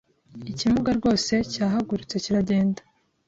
Ikimuga rwose cyahagurutse kiragenda.